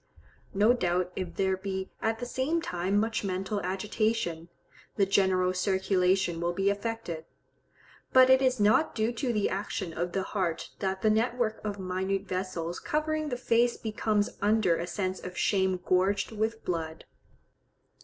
No doubt if there be at the same time much mental agitation, the general circulation will be affected; but it is not due to the action of the heart that the network of minute vessels covering the face becomes under a sense of shame gorged with blood.